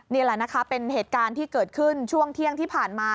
นี่แหละนะคะเป็นเหตุการณ์ที่เกิดขึ้นช่วงเที่ยงที่ผ่านมา